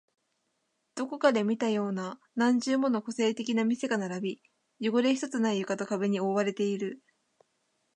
どこかで見たような何十もの個性的な店が並び、汚れ一つない床と壁に覆われている